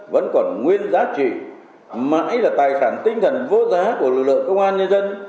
vẫn còn nguyên giá trị mãi là tài sản tinh thần vô giá của lực lượng công an nhân dân